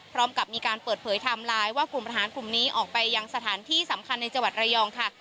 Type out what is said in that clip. พร้อมกับมีการเปิดเผยไทม์ไลน์ว่ากลุ่มอาหารกลุ่มนี้ออกไปยังสถานที่สำคัญในจังหวัดระยองค่ะ